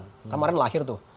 karena kemarin lahir tuh